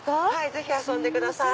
ぜひ遊んでください。